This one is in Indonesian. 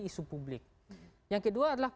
isu publik yang kedua adalah